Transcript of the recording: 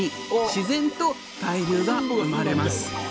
自然と対流が生まれます。